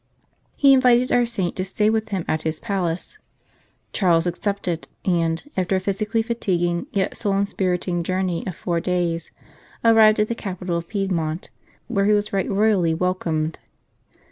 He invited our saint to stay with him at his palace. Charles accepted, and, after a physically fatiguing yet soul inspiriting journey of four days, arrived at the capital of Piedmont, where he was right royally welcomed.